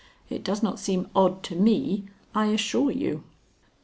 It does not seem odd to me, I assure you."